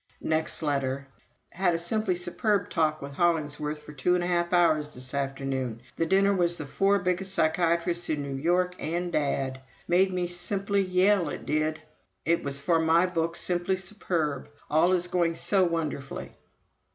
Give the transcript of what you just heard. Next letter: "Had a simply superb talk with Hollingworth for two and a half hours this afternoon. ... The dinner was the four biggest psychiatrists in New York and Dad. Made me simply yell, it did. ... It was for my book simply superb. All is going so wonderfully."